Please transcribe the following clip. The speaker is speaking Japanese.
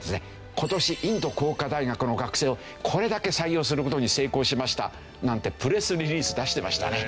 今年インド工科大学の学生をこれだけ採用する事に成功しましたなんてプレスリリース出してましたね。